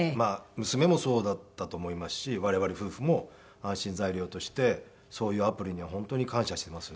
娘もそうだったと思いますし我々夫婦も安心材料としてそういうアプリには本当に感謝してますね。